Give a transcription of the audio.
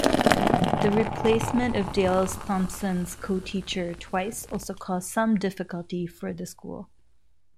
The replacement of Dale's Thompson's co-teacher twice also caused some difficulty for the school.